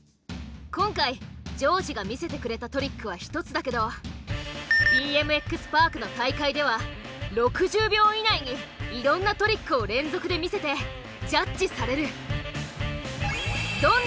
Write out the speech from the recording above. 今回丈司が見せてくれたトリックは１つだけどＢＭＸ・パークの大会では６０秒以内にいろんなトリックを連続で見せてジャッジされる。